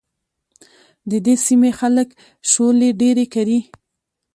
د دې سيمې خلک شولې ډېرې کري.